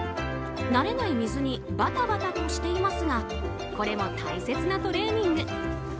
慣れない水にバタバタとしていますがこれも大切なトレーニング。